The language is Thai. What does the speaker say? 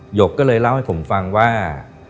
หกก็เลยเล่าให้ผมฟังว่า